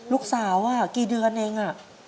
ลูกสาวกี่เดือนเอง